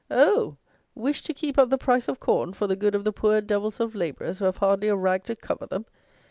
Oh! wished to keep up the price of corn for the good of the "poor devils of labourers who have hardly a rag to cover them!"